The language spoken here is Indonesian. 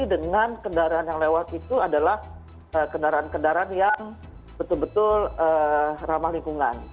dengan kendaraan yang lewat itu adalah kendaraan kendaraan yang betul betul ramah lingkungan